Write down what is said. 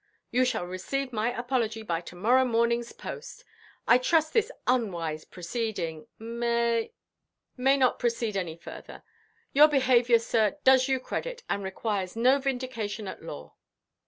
You shall receive my apology by to–morrow morningʼs post. I trust this unwise proceeding—may—may not proceed any further. Your behaviour, sir, does you credit, and requires no vindication at law."